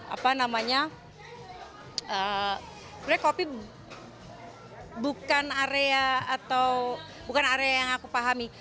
apa namanya sebenarnya kopi bukan area yang aku pahami